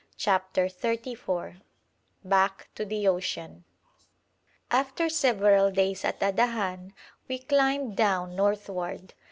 CHAPTER XXXIV BACK TO THE OCEAN After several days at Adahan we climbed down northward.